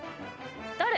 誰？